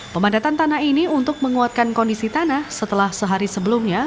pemadatan tanah ini untuk menguatkan kondisi tanah setelah sehari sebelumnya